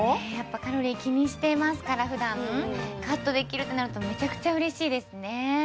カロリー気にしてますからふだんカットできるってなるとめちゃくちゃ嬉しいですね